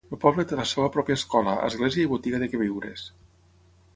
El poble té la seva pròpia escola, església i botiga de queviures.